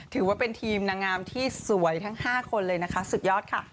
ถือว่าเป็นทีมนางงามที่สวยทั้ง๕คนเลยนะคะสุดยอดค่ะ